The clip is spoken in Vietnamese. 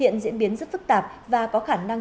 diễn biến rất phức tạp và có khả năng